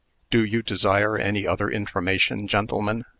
"Do you desire any other information, gentlemen?"